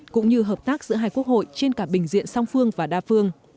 cũng như hợp tác giữa hai quốc hội trên cả bình diện song phương và đa phương